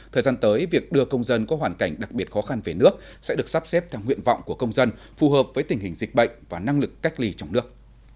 thời gian tới việc đưa công dân có hoàn cảnh đặc biệt khó khăn về nước sẽ được sắp xếp theo nguyện vọng của công dân phù hợp với tình hình dịch bệnh và năng lực cách ly trong nước